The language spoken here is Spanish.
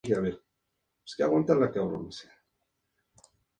Son típicos de esta fiesta los roscos y la torta de bizcocho.